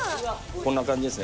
こんな感じですね